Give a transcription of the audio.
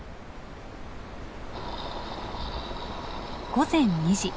午前２時。